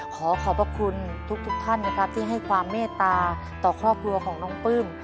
ขอขอบพระคุณทุกท่านนะครับที่ให้ความเมตตาต่อครอบครัวของน้องปลื้ม